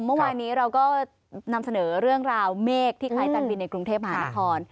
เมื่อวานนี้เราก็นำเสนอเรื่องราวเมฆที่ขายการบินในกรุงเทพมหานคร